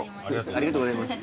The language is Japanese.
ありがとうございます。